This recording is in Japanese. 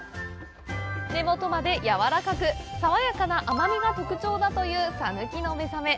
根元までやわらかく爽やかな甘みが特徴だという「さぬきのめざめ」。